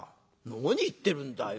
「何言ってるんだよ。